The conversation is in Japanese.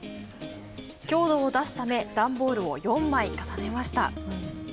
強度を出すため、段ボールを４枚重ねました。